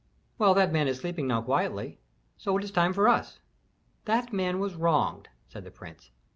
"Well, that man is sleeping now quietly. So it is time for us." "That man was wronged," said the prince.